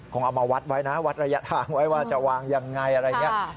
เอามาวัดไว้นะวัดระยะทางไว้ว่าจะวางยังไงอะไรอย่างนี้